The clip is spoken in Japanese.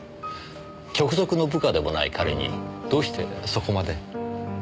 直属の部下でもない彼にどうしてそこまで？